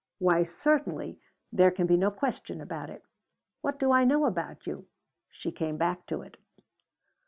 Why certainly there can be no question about it. What do I know about you?" she came back to it.